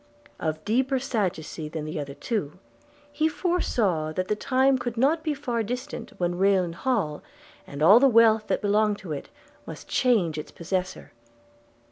Of deeper sagacity than the other two, he foresaw that the time could not be far distant when Rayland Hall, and all the wealth that belonged to it, must change its possessor.